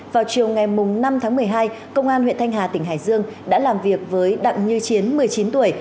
vào chiều ngày năm tháng một mươi hai công an huyện thanh hà tỉnh hải dương đã làm việc với đặng như chiến một mươi chín tuổi